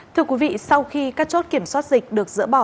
thưa quý vị sau khi các chốt kiểm soát dịch được dỡ bỏ